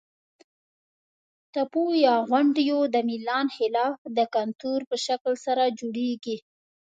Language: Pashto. تپو یا غونډیو د میلان خلاف د کنتور په شکل سره جوړیږي.